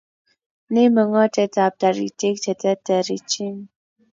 Ni mengotet ab taritik che ter terchin